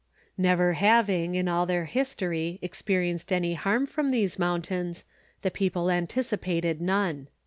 Never having, in all their history, experienced any harm from these mountains, the people anticipated none.